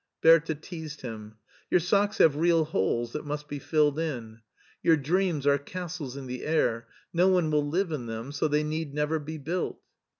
; Bertha teased him. "Your socks have real holes that must be filled in. Your dreams are castles in the air; no one will live in them so they need never be built."